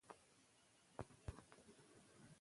شاه حسين د خپلې پاچاهۍ په وروستيو کې ډېر بې وسه و.